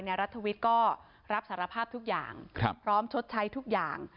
รัฐวิทย์ก็รับสารภาพทุกอย่างพร้อมชดใช้ทุกอย่าง